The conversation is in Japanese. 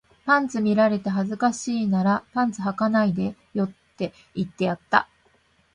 パンツ見られて恥ずかしいならパンツ履かないでよって言ってやった